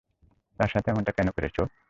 তার সাথে এমনটা কেন করেছ?